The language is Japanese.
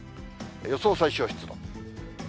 予想最小湿度。